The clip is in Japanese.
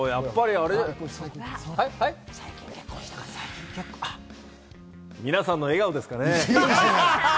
あ、皆さんの笑顔ですかね。